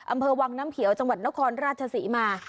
อำเภอวังน้ำเขียวจังหวัดนครราชศรีมา